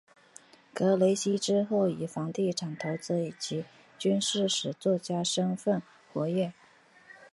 格雷西之后以房地产投资及军事史作家的身分活跃。